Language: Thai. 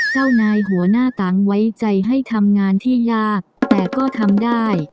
เจ้านายหัวหน้าตังไว้ใจให้ทำงานที่ยากแต่ก็ทำได้